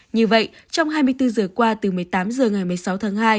như vậy trong hai mươi bốn giờ qua từ một mươi tám h ngày một mươi sáu tháng hai